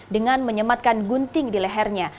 dengan menyematkan gunting di lehernya